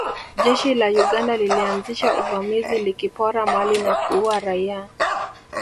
Jeshi la Uganda lilianzisha uvamizi likipora mali na kuua raia